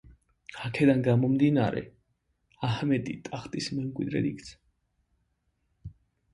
აქედან გამომდინარე, აჰმედი ტახტის მემკვიდრედ იქცა.